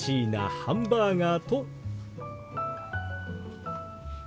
「ハンバーガー」。